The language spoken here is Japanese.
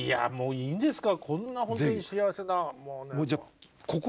いいですか？